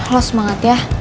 lo semangat ya